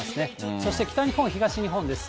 そして北日本、東日本です。